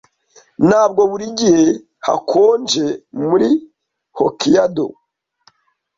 Ntabwo buri gihe hakonje muri Hokkaido.